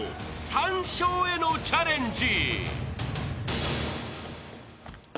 ３笑へのチャレンジ］